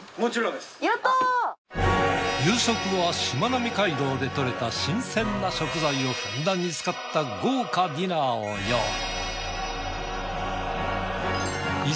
夕食はしまなみ海道で獲れた新鮮な食材をふんだんに使った豪華ディナーを用意。